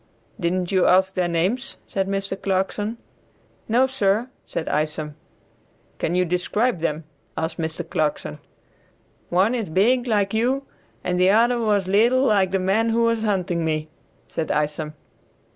"Didn't you ask their names?" said Mr. Clarkson. "No, sir," said Isom. "Can you describe them?" asked Mr. Clarkson. "One is big, like you, and the other was little like the man who was hunting me," said Isom.